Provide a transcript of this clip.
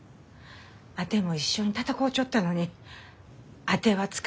あても一緒に闘うちょったのにあては捕まらん。